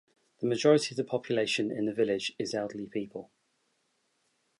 The majority of the population in the village is elderly people.